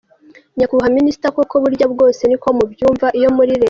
Nyakubahwa Minister, koko burya bwose niko mubyumva iyo muri Leta?